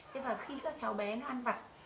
thế và khi các cháu bé nặng và chiều cao của bạn